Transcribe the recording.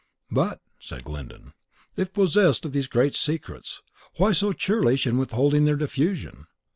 "But," said Glyndon, "if possessed of these great secrets, why so churlish in withholding their diffusion?